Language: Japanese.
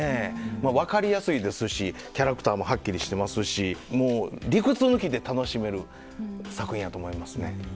まあ分かりやすいですしキャラクターもはっきりしてますしもう理屈抜きで楽しめる作品やと思いますね。